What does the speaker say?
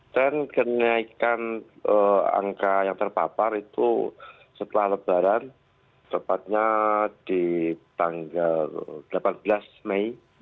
tren kenaikan angka yang terpapar itu setelah lebaran tepatnya di tanggal delapan belas mei